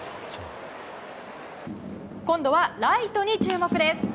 今度はライトに注目です。